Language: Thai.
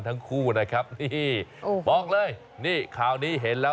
นั้นแบบนี้ด้วยค่ะ